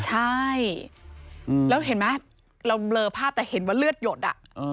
ใช่แล้วเห็นไหมเราเบลอภาพแต่เห็นว่าเลือดหยดอ่ะ